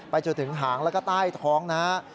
จนถึงหางแล้วก็ใต้ท้องนะฮะ